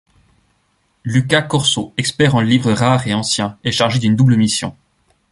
Lucas Corso, expert en livres rares et anciens, est chargé d'une double mission.